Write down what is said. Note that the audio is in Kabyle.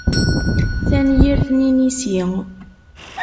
Tanyirt n yinisi.